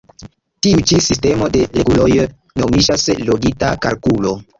Tiu ĉi sistemo de reguloj nomiĝas logika kalkulo.